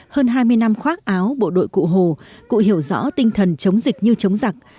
hơn hai mươi năm khoác áo bộ đội cụ hồ cụ hiểu rõ tinh thần chống dịch như chống giặc